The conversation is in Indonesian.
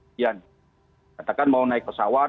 katakan mau naik pesawat